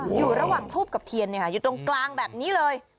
อยู่ระหว่างทูบกับเทียนอยู่ตรงกลางแบบนี้เลย